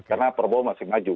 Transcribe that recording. karena pak prabowo masih maju